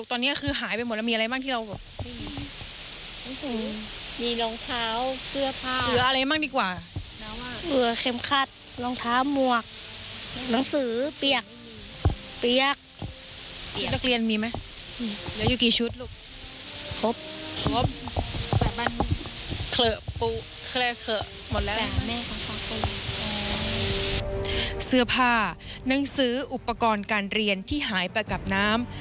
เสื้อผ้าหนังสืออุปกรณ์การเรียนที่หายไปกับน้ำ